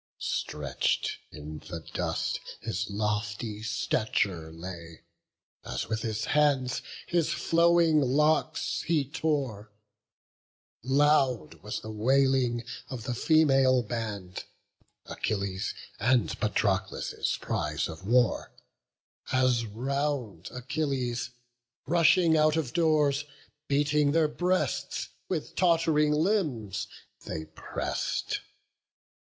Stretch'd in the dust his lofty stature lay, As with his hands his flowing locks he tore; Loud was the wailing of the female band, Achilles' and Patroclus' prize of war, As round Achilles, rushing out of doors, Beating their breasts, with tott'ring limbs they press'd.